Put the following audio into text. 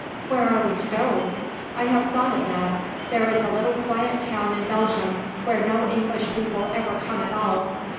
"Where are we to go?" "I have thought of that. There is a little quiet town in Belgium where no English people ever come at all.